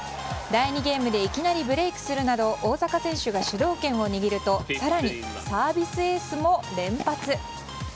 第２ゲームでいきなりブレークするなど大坂選手が主導権を握ると更にサービスエースも連発。